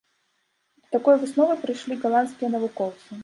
Да такой высновы прыйшлі галандскія навукоўцы.